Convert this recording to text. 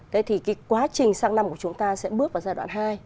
thế thì cái quá trình sang năm của chúng ta sẽ bước vào giai đoạn hai